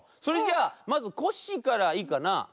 それじゃあまずコッシーからいいかな？